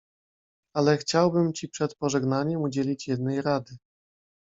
"Ale chciałbym ci przed pożegnaniem udzielić jednej rady."